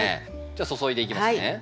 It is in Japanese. じゃあ注いでいきますね。